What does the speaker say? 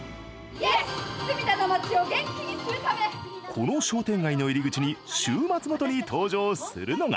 この商店街の入り口に週末ごとに登場するのが。